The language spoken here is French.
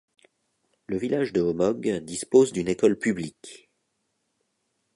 Le village de Omog dispose d'une école publique.